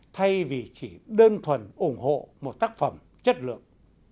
thay vì chỉ đơn thuần ủng hộ một tác phẩm chất lượng